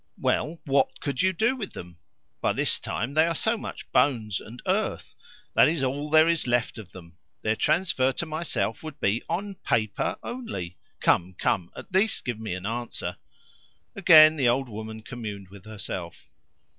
"Well, WHAT could you do with them? By this time they are so much bones and earth. That is all there is left of them. Their transfer to myself would be ON PAPER only. Come, come! At least give me an answer." Again the old woman communed with herself.